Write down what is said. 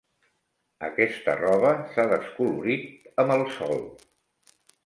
Aquesta roba s'ha descolorit amb el sol.